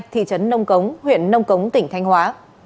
thị trấn nông cống huyện nông cống tỉnh thanh hóa